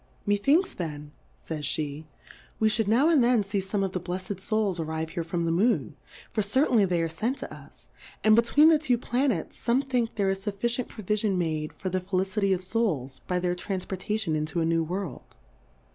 Methinks then, faj's pe, we fhould now and then fee fome of the bleffcd Souls arrive here from the Moon, for certainly they are fent to lis ; and between the two Planets, fome think, there is fufficient Provifion made for the Felicity of Souls, by their Tranfpor tation into a new World.